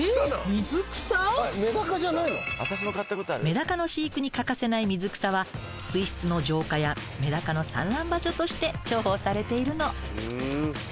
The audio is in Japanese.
メダカの飼育に欠かせない水草は水質の浄化やメダカの産卵場所として重宝されているの。